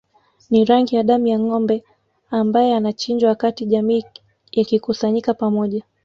Ni rangi ya damu ya ngombe ambae anachinjwa wakati jamii ikikusanyika pamoja